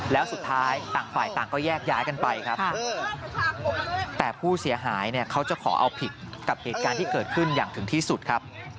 แล้วสุดท้ายต่างฝ่ายต่างก็แยกย้ายกันไปครับแต่ผู้เสียหายเนี่ยเขาจะขอเอาผิดกับเหตุการณ์ที่เกิดขึ้นอย่างถึงที่สุดครับ